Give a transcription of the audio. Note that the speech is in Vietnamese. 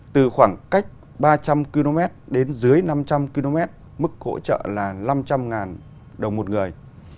từ khoảng cách ba trăm linh km đến dưới năm trăm linh km mức hỗ trợ là năm trăm linh đồng một người